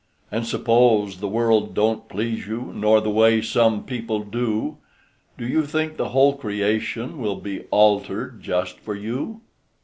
And suppose the world don't please you, Nor the way some people do, Do you think the whole creation Will be altered just for you?